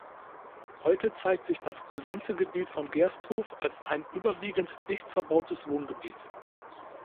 Heute zeigt sich das gesamte Gebiet von Gersthof als ein überwiegend dicht verbautes Wohngebiet.